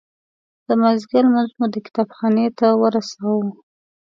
د مازدیګر لمونځ مو د کتاب خانې ته ورساوه.